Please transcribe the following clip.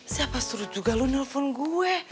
siapa suruh juga lu nelfon gue